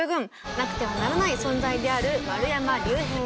なくてはならない存在である丸山隆平さん。